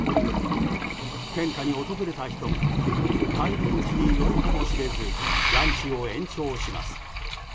献花に訪れた人が帰り道に寄るかもしれずランチを延長します。